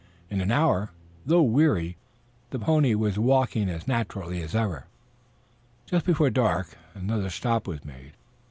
In an hour, though weary, the pony was walking as naturally as ever. Just before dark another stop was made.